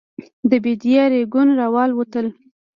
د بېدیا رېګون راوالوتل.